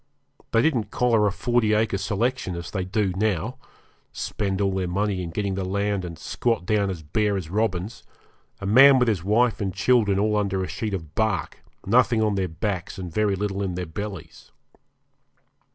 They didn't collar a 40 acre selection, as they do now spend all their money in getting the land and squat down as bare as robins a man with his wife and children all under a sheet of bark, nothing on their backs, and very little in their bellies.